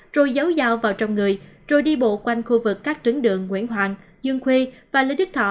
rồi giấu dao vào trong người rồi đi bộ quanh khu vực các tuyến đường nguyễn hoàng dương khuê và lê đức thọ